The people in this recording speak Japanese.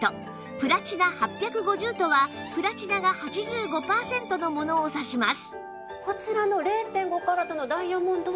プラチナ８５０とはプラチナが８５パーセントのものを指します